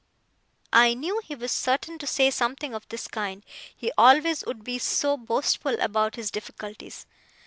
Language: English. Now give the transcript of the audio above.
I knew he was certain to say something of this kind; he always would be so boastful about his difficulties.